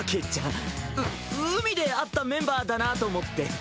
う海で会ったメンバーだなと思って。